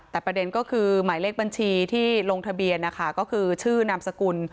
แต่ประเด็นก็คือหมายเลขบัญชีที่ลงทะเบียนนะคะก็คือชื่อนามสกุล